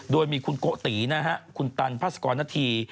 โดยมีคุณโกตินะฮะคุณตันพาสกรณฑี